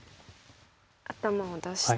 頭を出して。